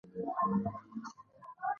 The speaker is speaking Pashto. هغه کله کله د خپلي خور سره ښوونځي ته ځي.